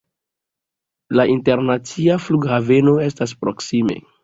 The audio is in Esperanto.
La internacia flughaveno estas proksime.